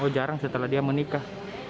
jarang setelah dia menikah